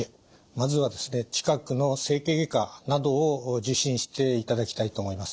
まずは近くの整形外科などを受診していただきたいと思います。